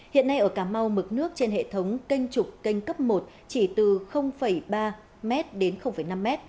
hiện nay ở cà mau mực nước trên hệ thống kênh trục canh cấp một chỉ từ ba m đến năm m